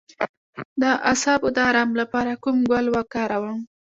د اعصابو د ارام لپاره کوم ګل وکاروم؟